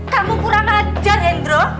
kamu kurang ajar hendro